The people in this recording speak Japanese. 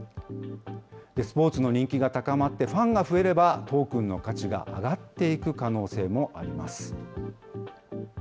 スポーツの人気が高まって、ファンが増えれば、トークンの価値が上がっていく可能性もあります。